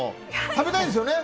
食べたいですよね？